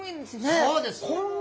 そうです！